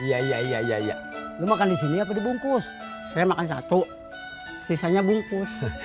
iya iya iya lu makan di sini apa dibungkus saya makan satu sisanya bungkus